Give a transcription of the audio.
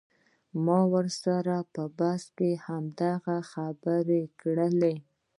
ما ورسره په بحث کښې هماغه خبرې کړلې.